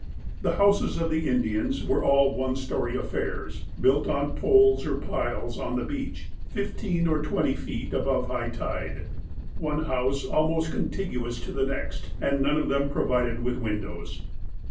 The houses of the Indians were all one story affairs, built on poles or piles on the beach, fifteen or twenty feet above high tide, one house almost contiguous to the next, and none of them provided with windows.